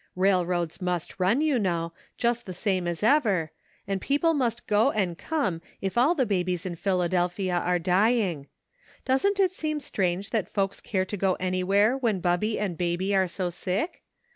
Railroads must run, you know, just the same as ever, and people must go and come if all the babies in Philadelphia are dying. Doesn't it seem strange that folks care to go anywhere when Bubby and Baby are so sick?